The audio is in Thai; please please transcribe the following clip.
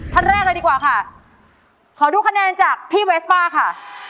ท่านแรกเลยดีกว่าค่ะขอดูคะแนนจากพี่เวสป้าค่ะ